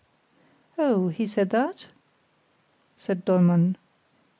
"Oh, he said that?" said Dollmann.